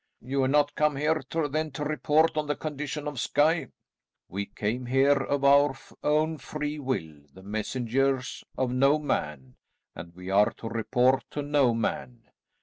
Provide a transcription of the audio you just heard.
"You are not come here then to report on the condition of Skye?" "We came here of our own free will; the messengers of no man, and we are to report to no man.